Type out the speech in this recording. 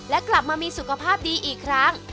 และกลับมามีสุขภาพดีอีกครั้ง